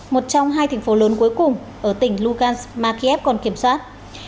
một trong hai thành phố lớn cuối cùng ở tỉnh lugan mà kiev còn kiểm soát